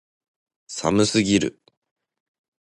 寒すぎる